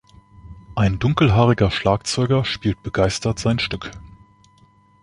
Ein dunkelhaariger Schlagzeuger spielt begeistert sein Stück.